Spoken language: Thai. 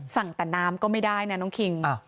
สั่งแต่น้ำก็ไม่ได้นะน้องคิง